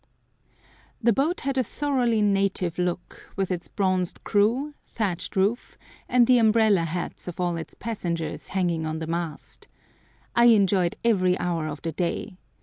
The boat had a thoroughly "native" look, with its bronzed crew, thatched roof, and the umbrella hats of all its passengers hanging on the mast. I enjoyed every hour of the day.